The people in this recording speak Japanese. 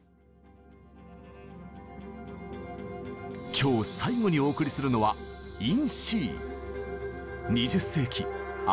今日最後にお送りするのは「ＩｎＣ」。